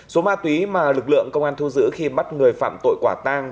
số ma túy mà lực lượng công an thu giữ khi bắt người phạm tội quả tang